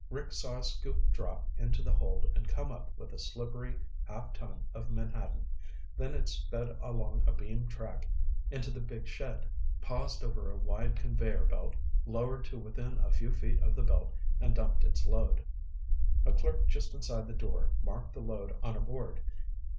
Rick saw a scoop drop into the hold and come up with a slippery half ton of menhaden. Then it sped along a beam track into the big shed, paused over a wide conveyer belt, lowered to within a few feet of the belt and dumped its load. A clerk just inside the door marked the load on a board.